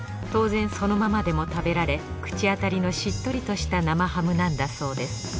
当然そのままでも食べられ口当たりのしっとりとした生ハムなんだそうです